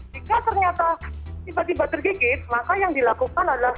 jika ternyata tiba tiba tergigit maka yang dilakukan adalah